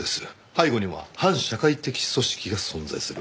背後には反社会的組織が存在する。